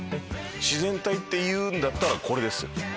自然体っていうんならこれです。